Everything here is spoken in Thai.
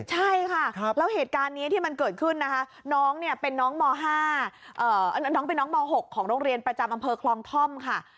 ใช่ค่ะแล้วเหตุการณ์นี้ที่มันเกิดขึ้นน้องเป็นน้องม๖ของโรงเรียนประจำอำเภอคลองท่อมค่ะ